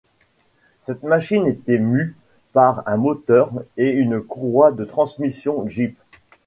Cette machine était mue par un moteur et une courroie de transmission Jeep.